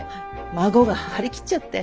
孫が張り切っちゃって。